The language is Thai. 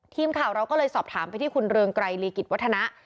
ทีมข่าวเราก็เลยสอบถามไปที่คุณเรืองไกรลีกิจวัฒนะ